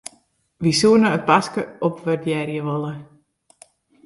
Wy soenen it paske opwurdearje wolle.